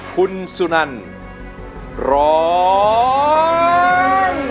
ฮุ่นสุนันร้อน